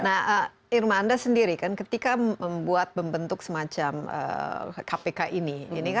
nah irma anda sendiri kan ketika membuat membentuk semacam kpk ini